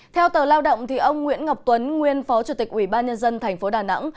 theo tờ lao động ông nguyễn ngọc tuấn nguyên phó chủ tịch ủy ban nhân dân tp đà nẵng